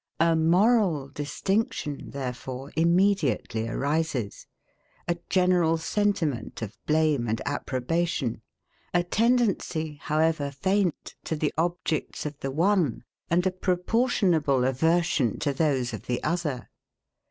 A MORAL DISTINCTION, therefore, immediately arises; a general sentiment of blame and approbation; a tendency, however faint, to the objects of the one, and a proportionable aversion to those of the other.